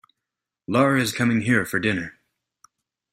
Lara is coming here for dinner.